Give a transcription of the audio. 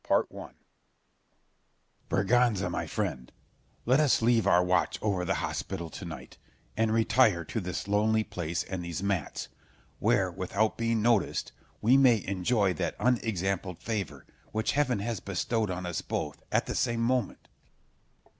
Scip. Berganza, my friend, let us leave our watch over the hospital to night, and retire to this lonely place and these mats, where, without being noticed, we may enjoy that unexampled favour which heaven has bestowed on us both at the same moment.